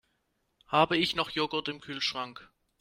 Habe ich noch Joghurt im Kühlschrank?